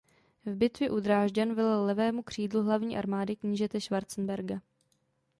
V bitvě u Drážďan velel levému křídlu hlavní armády knížete Schwarzenberga.